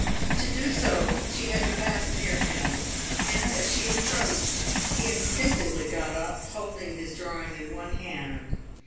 To do so she had to pass near him, and as she approached he instinctively got up, holding his drawing in one hand.